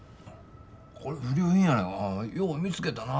これ不良品やないかよう見つけたな。